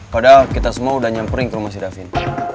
padahal kita semua udah nyamperin ke rumah si davin